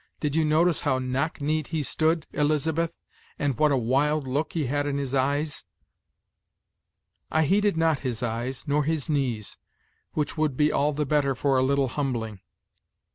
Did you notice how knock kneed he stood, Elizabeth, and what a wild look he had in his eyes?" "I heeded not his eyes, nor his knees, which would be all the better for a little humbling.